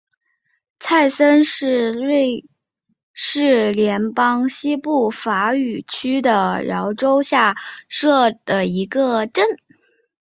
莱森是瑞士联邦西部法语区的沃州下设的一个镇。